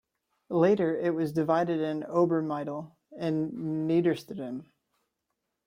Later it was divided in Ober-, Mittel- and Niederstedten.